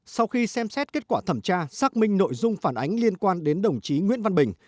sau khi xem xét kết quả thẩm tra xác minh nội dung phản ánh liên quan đến đồng chí nguyễn văn bình